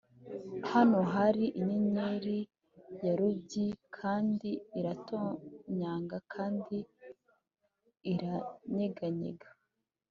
hano hari inyenyeri ya ruby kandi iratonyanga kandi iranyeganyega;